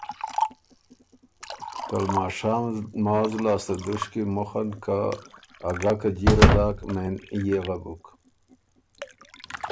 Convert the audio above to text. ته لماشام لماز لاسته دُشکی مخه ن که ا ګاکه جیره داک مېن یېغه بُک۔